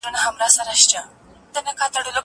زه کولای سم لیکل وکړم!!